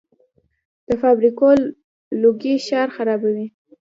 د فابریکو لوګي ښار خرابوي.